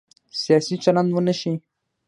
سیاسي چلند ونه شي.